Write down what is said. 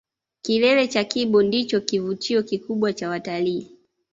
Kilele cha kibo ndicho kivutio kikubwa kwa watalii